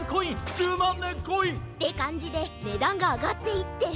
１０まんねんコイン！ってかんじでねだんがあがっていって。